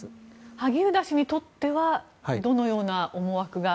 萩生田氏にとってはどのような思惑が。